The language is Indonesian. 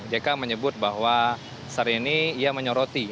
jk menyebut bahwa saat ini ia menyoroti